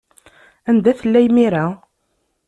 Anda tella imir-a?